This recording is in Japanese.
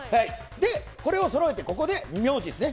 これをそろえて、名字ですね。